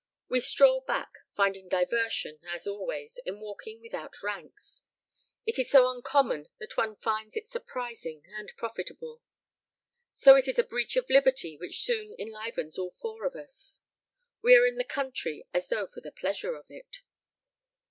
We stroll back, finding diversion as always in walking without ranks. It is so uncommon that one finds it surprising and profitable. So it is a breach of liberty which soon enlivens all four of us. We are in the country as though for the pleasure of it.